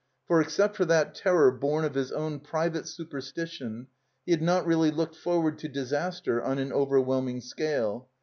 For, except for that terror bom of his own private ^superstition, he had not really looked forward to disaster on an overwhelming scale.